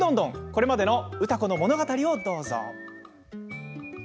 これまでの歌子の物語をどうぞ。